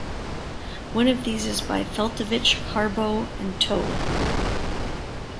One of these is by Feltovich, Harbaugh and To.